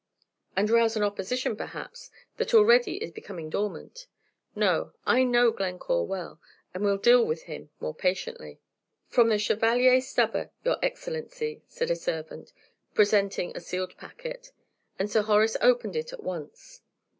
"And rouse an opposition, perhaps, that already is becoming dormant. No, I know Glencore well, and will deal with him more patiently." "From the Chevalier Stubber, your Excellency," said a servant, presenting a sealed packet; and Sir Horace opened it at once.